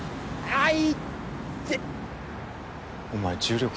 はい。